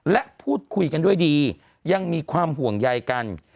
และพูดคุยกันด้วยดียังมีความห่วงใยกัน